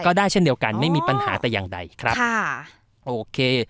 ได้เช่นเดียวกันไม่มีปัญหาแต่อย่างใดครับค่ะโอเค